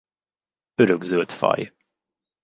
Örökzöld faj.